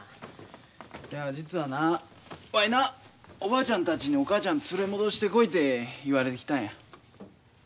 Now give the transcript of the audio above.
いや実はなわいなおばあちゃんたちにお母ちゃん連れ戻してこいて言われて来たんや。